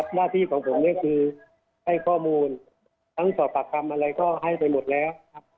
หน้าที่ของผมคือให้ข้อมูลตั้งต่อปรักรรมอะไรก็ให้ไปหมดแล้ว